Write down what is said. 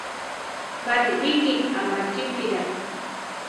Má rilíki amachípira.